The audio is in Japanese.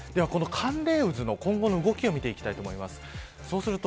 寒冷渦の今後の動きを見ていきます。